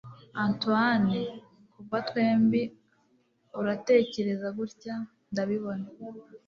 antoine, kuva twembi, uratekereza gutya, ndabibona